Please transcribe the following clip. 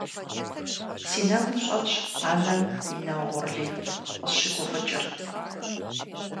Си нэгум щӀэтщ анэм и нэ угъурлитӀ къысщыгуфӀыкӀыр.